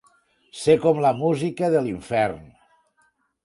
Ser com la música de l'infern.